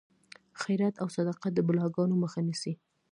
خیرات او صدقه د بلاګانو مخه نیسي.